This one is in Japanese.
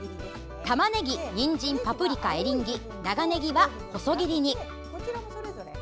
たまねぎ、にんじん、パプリカエリンギ長ねぎは細切りに。